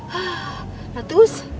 hah nah terus